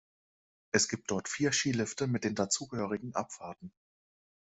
Es gibt dort vier Skilifte mit den dazugehörenden Abfahrten.